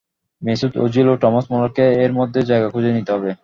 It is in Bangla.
মেসুত ওজিল ও টমাস মুলারকে এর মধ্যেই জায়গা খুঁজে নিতে হবে।